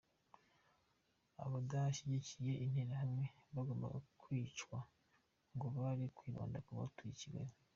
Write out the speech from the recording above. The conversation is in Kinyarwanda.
Abadashyikiye Interahamwe bagombaga kwicwa ngo bari kwibanda ku batuye i Kigali.